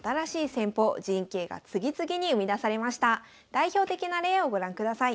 代表的な例をご覧ください。